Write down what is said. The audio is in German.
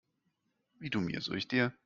Wie du mir, so ich dir.